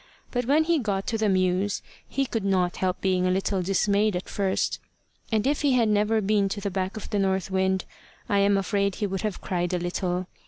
But when he got to the mews, he could not help being a little dismayed at first; and if he had never been to the back of the north wind, I am afraid he would have cried a little.